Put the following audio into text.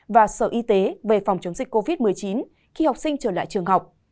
và sở y tế về phòng chống dịch covid một mươi chín khi học sinh trở lại trường học